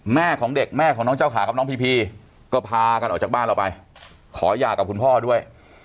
แม่ของเด็กแม่ของน้องเจ้าขากับน้องพีพีก็พากันออกจากบ้านเราไปขอหย่ากับคุณพ่อด้วย